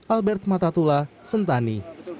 albert matatula sentani